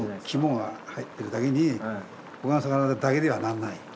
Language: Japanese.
肝が入ってるだけに他の魚だけではならない。